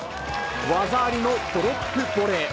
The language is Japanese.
技ありのドロップボレー。